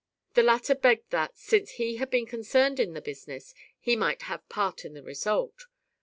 The latter then begged that, since he had been concerned in the business, he might have part in the result.